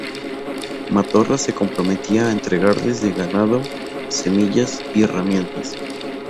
Matorras se comprometía a entregarles de ganado, semillas y herramientas.